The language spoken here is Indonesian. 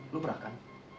lu pernah kan